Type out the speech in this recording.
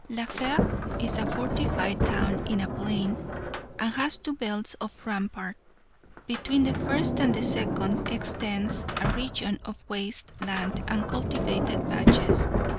La Fère is a fortified town in a plain, and has two belts of rampart. Between the first and the second extends a region of waste land and cultivated patches.